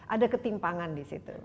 ada ketimpangan disitu